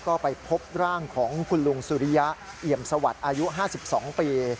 ก็ไปพบร่างของคุณลุงสุริยะเอี่ยมสวัสดิ์อายุ๕๒ปี